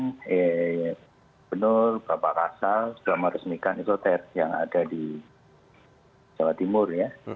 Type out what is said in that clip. saya benar bapak rasal selama resmikan isolasi yang ada di jawa timur ya